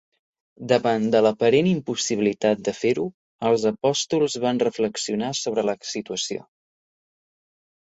Davant de l'aparent impossibilitat de fer-ho, els apòstols van reflexionar sobre la situació.